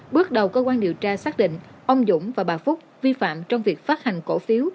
bước đầu cơ quan điều tra xác định ông dũng và bà phúc vi phạm trong việc phát hành cổ phiếu